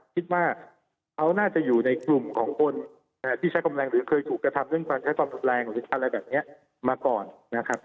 คิดว่าเขาน่าจะอยู่ในกลุ่มของคนที่ใช้กำลังหรือเคยถูกกระทำเรื่องการใช้ความรุนแรงหรืออะไรแบบนี้มาก่อนนะครับ